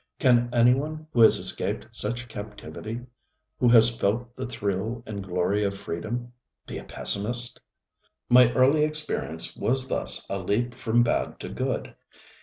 Can anyone who has escaped such captivity, who has felt the thrill and glory of freedom, be a pessimist? My early experience was thus a leap from bad to good.